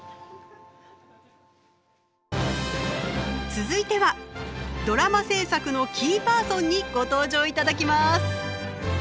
続いてはドラマ制作のキーパーソンにご登場いただきます。